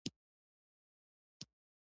خوشالونکي احساسات تر ابده دوام نه کوي.